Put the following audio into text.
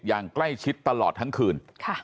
อย่างใกล้ชิดตลอดทั้งคืน